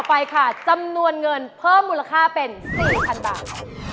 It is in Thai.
ไปค่ะจำนวนเงินเพิ่มมูลค่าเป็น๔๐๐๐บาท